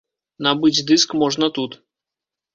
Набыць дыск можна тут.